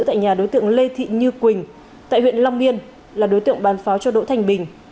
tại nhà đối tượng lê thị như quỳnh tại huyện long biên là đối tượng bán pháo cho đỗ thanh bình